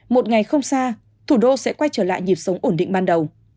một ngày không xa thủ đô sẽ quay trở lại nhịp sống ổn định ban đầu